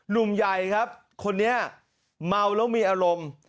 หนุ่มใหญ่ครับคนนี้เมาแล้วมีอารมณ์